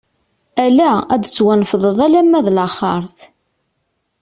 Ala, ad d-tettwanefḍeḍ alamma d laxeṛt!